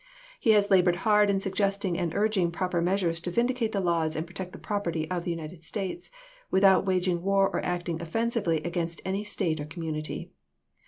He has labored hard in suggesting and urging proper measures to vindicate the laws and protect the property of the United States, without waging war or acting offensively against any State or community.